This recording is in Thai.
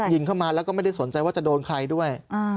ยิงเข้ามาแล้วก็ไม่ได้สนใจว่าจะโดนใครด้วย